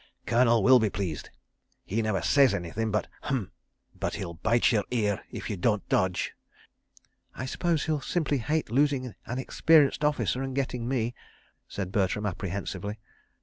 ... Colonel will be pleased—he never says anything but 'H'm!' but he'll bite your ear if you don't dodge." "I suppose he'll simply hate losing an experienced officer and getting me," said Bertram, apprehensively.